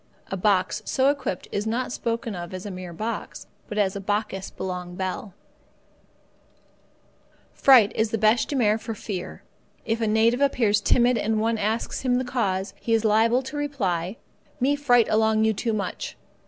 A box so equipped is not spoken of as a mere box, but as the bokkis belong bell. Fright is the bêche de mer for fear. If a native appears timid and one asks him the cause, he is liable to hear in reply: "Me fright along you too much."